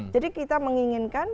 jadi kita menginginkan